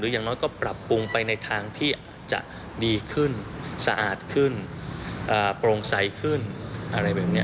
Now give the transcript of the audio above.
อย่างน้อยก็ปรับปรุงไปในทางที่อาจจะดีขึ้นสะอาดขึ้นโปร่งใสขึ้นอะไรแบบนี้